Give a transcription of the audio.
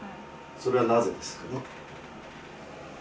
それはなぜですかね？